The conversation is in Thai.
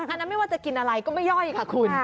อันนั้นไม่ว่าจะกินอะไรก็ไม่ย่อยค่ะคุณ